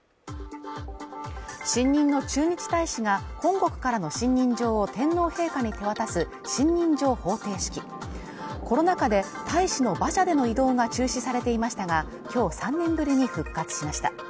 新任の駐日大使が本国からの信任状を天皇陛下に手渡す信任状捧呈式コロナ禍で、大使の馬車での移動が中止されていましたが、今日３年ぶりに復活しました。